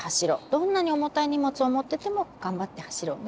どんなに重たい荷物を持ってても頑張って走ろうね。